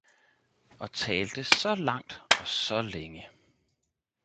og talte så langt og så længe